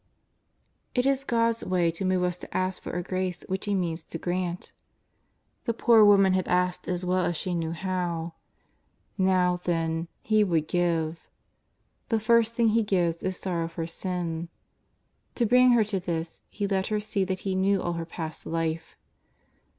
'' It is God's way to move us to ask for a grace which He means to grant. The poor woman had asked as well as she knew how. Now, then, He would give. The first thing He gives is sorrow for sin. To bring her to this He let her see that He knew all her past life.